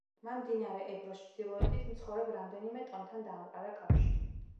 მან მდინარე ებროს ჩრდილოეთით მცხოვრებ რამდენიმე ტომთან დაამყარა კავშირი.